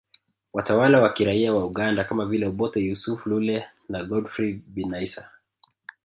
Watawala wa kiraia wa Uganda kama vile Obote Yusuf Lule na Godfrey Binaisa